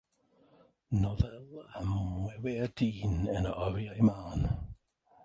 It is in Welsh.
Nofel am wewyr dyn yn yr oriau mân.